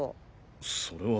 それは。